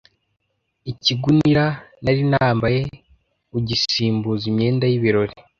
ikigunira nari nambaye ugisimbuza imyenda y’ibirori